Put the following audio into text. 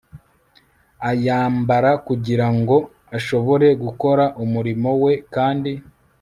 ayambara kugira ngo ashobore gukora umurimo we kandi